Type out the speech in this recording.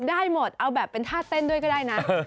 ได้หมดเอาแบบเป็นท่าเต้นด้วยก็ได้นะ